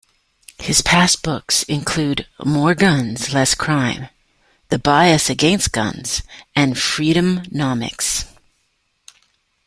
His past books include "More Guns, Less Crime", "The Bias Against Guns", and "Freedomnomics".